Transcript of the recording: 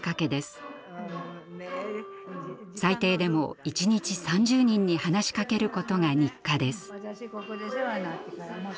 最低でも一日３０人に話しかけることが日課です。